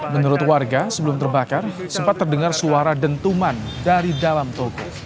menurut warga sebelum terbakar sempat terdengar suara dentuman dari dalam toko